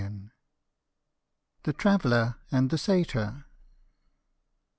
IT THE TRAVELLER AND THE SATYR.